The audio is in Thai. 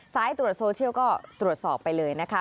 สายตรวจโซเชียลก็ตรวจสอบไปเลยนะคะ